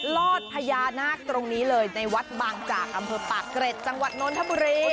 ลอดพญานาคตรงนี้เลยในวัดบางจากอำเภอปากเกร็ดจังหวัดนนทบุรี